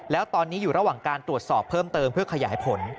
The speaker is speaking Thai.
แล้วตอนนี้อยู่ระหว่างการตรวจสอบเพิ่มเติมเพื่อขยายผล